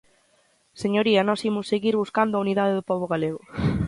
Señoría, nós imos seguir buscando a unidade do pobo galego.